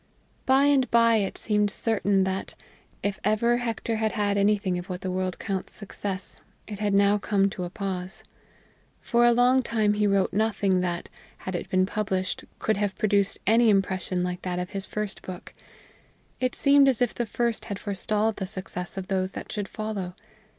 By and by it seemed certain that, if ever Hector had had anything of what the world counts success, it had now come to a pause. For a long time he wrote nothing that, had it been published, could have produced any impression like that of his first book; it seemed as if the first had forestalled the success of those that should follow.